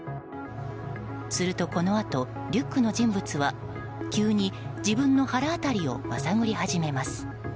すると、このあとリュックの人物は急に自分の腹辺りをまさぐり始めます。